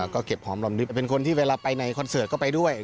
ก็เก็บหอมลำดับเป็นคนที่เวลาไปในคอนเสิร์ตก็ไปด้วย